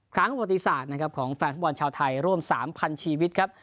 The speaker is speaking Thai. ครั้งประวัติศาสตร์นะครับของแฟนฟุตบอลชาวไทยร่วม๓๐๐ชีวิตครับ